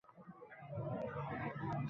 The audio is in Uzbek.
Boʼlolmayman! Boʼlolmayman!..»